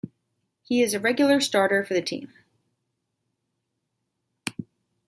He is a regular starter for the team.